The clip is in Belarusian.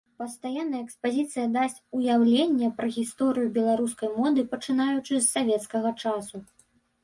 Пастаянная экспазіцыя дасць уяўленне пра гісторыю беларускай моды пачынаючы з савецкага часу.